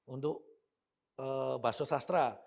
untuk bahasa sastra